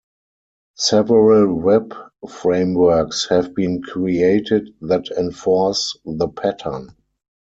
Several web frameworks have been created that enforce the pattern.